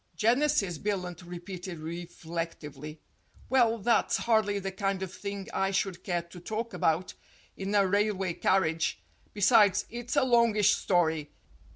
"Genesis," Billunt repeated reflectively. "Well, that's hardly the kind of thing I should care to talk about in a railway carriage. Besides, it's a longish story.